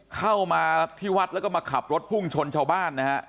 เข้ามาที่วัดแล้วก็มาขับรถพุ่งชนชาวบ้านนะฮะ